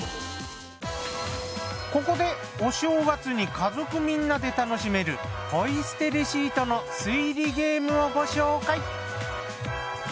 ここでお正月に家族みんなで楽しめるポイ捨てレシートの推理ゲームをご紹介。